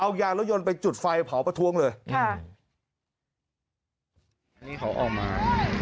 เอายางรถยนต์ไปจุดไฟเผาประท้วงเลยค่ะอันนี้เขาออกมา